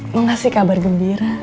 mengasih kabar gembira